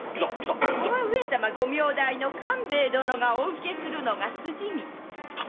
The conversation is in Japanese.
ここは上様ご名代の官兵衛殿がお受けするのが筋道。